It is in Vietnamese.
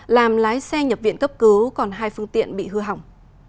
làm lái xe nhập viện cấp cứu còn hai phương tiện bị hư hỏng